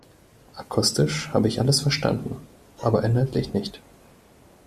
Akustisch habe ich alles verstanden, aber inhaltlich nicht.